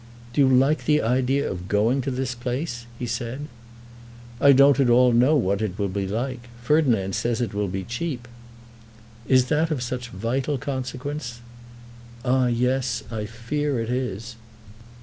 "Do you like the idea of going to this place?" he said. "I don't at all know what it will be like. Ferdinand says it will be cheap." "Is that of such vital consequence?" "Ah; yes; I fear it is."